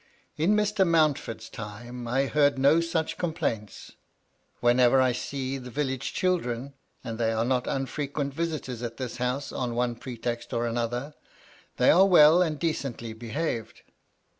" In Mr. Mount ford's time 1 heard no such complaints: whenever I see the village children (and they are not unfrequent visitors at this house, on one pretext or another), they are well and decently behaved."